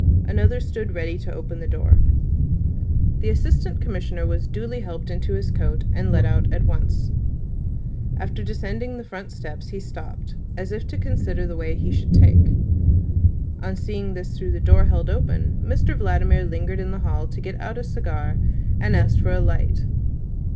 Another stood ready to open the door. The Assistant Commissioner was duly helped into his coat, and let out at once. After descending the front steps he stopped, as if to consider the way he should take. On seeing this through the door held open, Mr Vladimir lingered in the hall to get out a cigar and asked for a light.